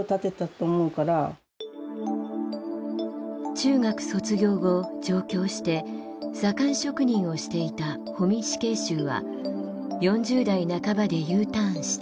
中学卒業後上京して左官職人をしていた保見死刑囚は４０代半ばでＵターンした。